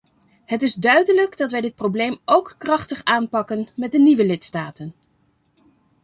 Het is duidelijk dat wij dit probleem ook krachtig aanpakken met de nieuwe lidstaten.